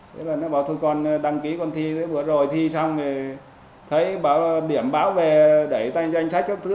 vì là các cháu đã đạt được cái ước nguyện của các cháu